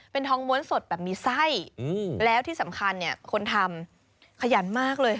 เป็นทองม้วนสดแบบมีไส้แล้วที่สำคัญเนี่ยคนทำขยันมากเลย